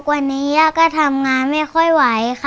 วันนี้ย่าก็ทำงานไม่ค่อยไหวค่ะ